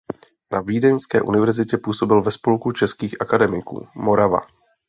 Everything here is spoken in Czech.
Na vídeňské univerzitě působil ve spolku českých akademiků Morava.